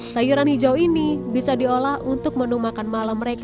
sayuran hijau ini bisa diolah untuk menu makan malam mereka